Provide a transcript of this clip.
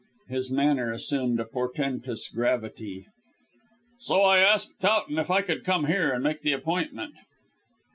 His manner assumed a portentous gravity. "So I asked Towton if I could come here and make the appointment."